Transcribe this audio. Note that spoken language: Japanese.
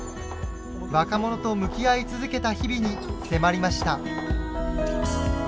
若者と向き合い続けた日々に迫りました。